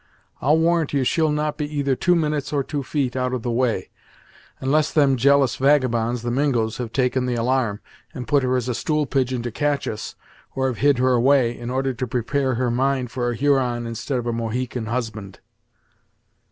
I'll warrant you she'll not be either two minutes or two feet out of the way, unless them jealous vagabonds, the Mingos, have taken the alarm, and put her as a stool pigeon to catch us, or have hid her away, in order to prepare her mind for a Huron instead of a Mohican husband."